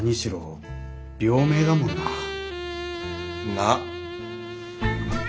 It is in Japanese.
なっ。